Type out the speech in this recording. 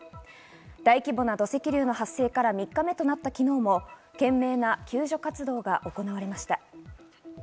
大規模な土石流の発生から３日目となった昨日も懸命な救助活動が行われました。